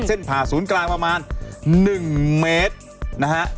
ผ่าศูนย์กลางประมาณ๑เมตรนะฮะ